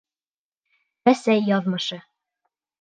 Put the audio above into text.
Рәсәй яҙмышы